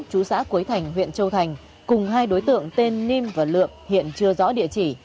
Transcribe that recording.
chú xã quế thành huyện châu thành cùng hai đối tượng tên ninh và lượng hiện chưa rõ địa chỉ